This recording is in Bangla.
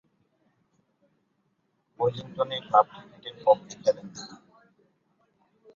ওয়েলিংটনে ক্লাব ক্রিকেটের পক্ষে খেলেন তিনি।